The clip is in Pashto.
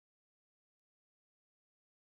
ډیپلوماسي د ملتونو ترمنځ د تفاهم بنسټ دی.